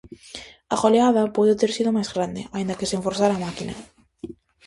A goleada puido ter sido máis grande, aínda que sen forzar a máquina.